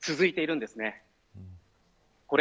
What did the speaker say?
続いているんです。